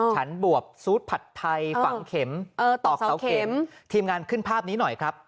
ฉันบวบซูดผัดไทยฝังเข็มตอกเสาเข็มทีมงานขึ้นภาพนี้หน่อยครับ